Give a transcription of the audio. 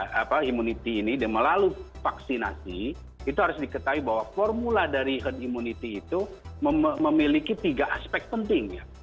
nah immunity ini melalui vaksinasi itu harus diketahui bahwa formula dari herd immunity itu memiliki tiga aspek penting ya